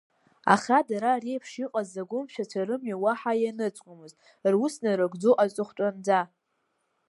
Аха дара реиԥш иҟаз агәымшәацәа рымҩа уаҳа ианыҵуамызт, рус нарыгӡон аҵыхәтәанӡа.